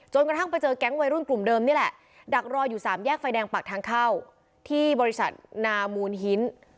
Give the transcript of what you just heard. กระทั่งไปเจอแก๊งวัยรุ่นกลุ่มเดิมนี่แหละดักรออยู่สามแยกไฟแดงปากทางเข้าที่บริษัทนามูลหิน